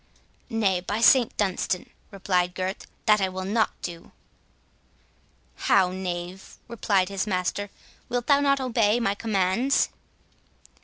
"Nay, by St Dunstan," replied Gurth, "that I will not do." "How, knave," replied his master, "wilt thou not obey my commands?"